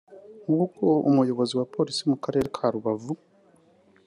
nkuko umuyobozi wa Polisi mu karere ka Rubavu